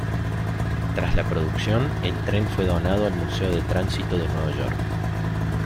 Tras la producción, el tren fue donado al Museo de Tránsito de Nueva York.